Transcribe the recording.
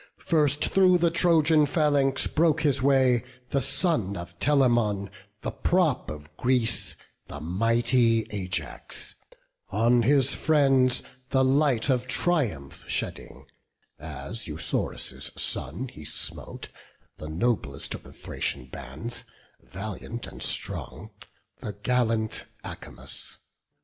First through the Trojan phalanx broke his way The son of Telamon, the prop of Greece, The mighty Ajax; on his friends the light Of triumph shedding, as Eusorus' son He smote, the noblest of the Thracian bands, Valiant and strong, the gallant Acamas.